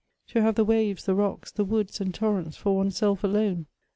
to have the waves, the rocksi the woods, and torrents for oneself alone